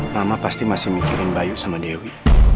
mama pasti masih mikirin bayu sama dewi